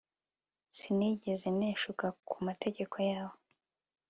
sinigeze nteshuka ku mategeko yawe